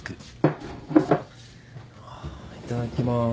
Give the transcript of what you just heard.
いただきます。